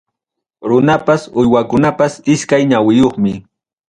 Runapas uywakunapas iskay ñawiyuqmi.